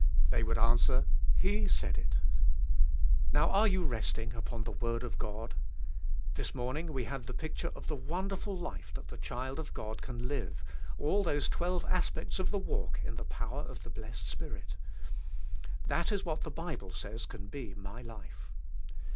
They would answer, He said it. Now are you resting upon the word of God? This morning we had the picture of the wonderful life that the child of God can live, all those twelve as pects of the walk in the power of the blessed Spirit. That is what the Bible says can be my life.